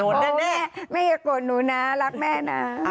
นะแม่แม่อย่าโกรธหนูนะรักแม่นะ